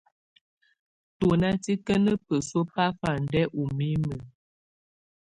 Tù nà tikǝ́nǝ́ besuǝ̀ bafandɛ ù mimǝ́ numǝ́.